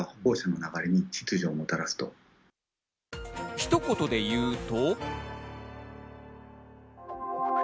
ひと言で言うと。